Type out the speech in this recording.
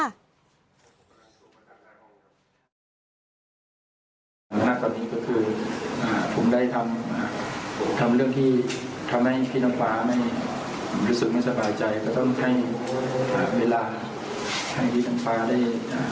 อันนี้คือผมได้ทำเรื่องทำให้พี่น้ำฟ้าเลย